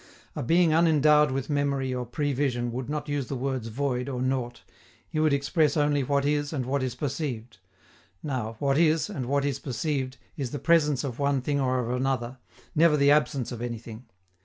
A being unendowed with memory or prevision would not use the words "void" or "nought;" he would express only what is and what is perceived; now, what is, and what is perceived, is the presence of one thing or of another, never the absence of anything.